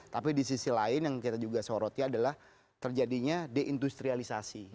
tapi di sisi lain yang kita juga soroti adalah terjadinya deindustrialisasi